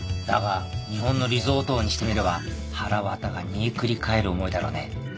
だが日本のリゾート王にしてみればはらわたが煮えくり返る思いだろうね。